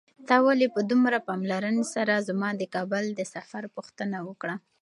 تا ولې په دومره پاملرنې سره زما د کابل د سفر پوښتنه وکړه؟